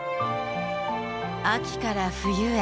秋から冬へ。